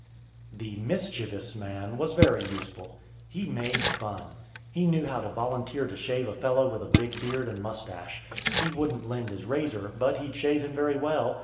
The Mischievous man was very useful. He made fun. He knew how to volunteer to shave a fellow with a big beard and moustache. He wouldn't lend his razor, but he'd shave him very well.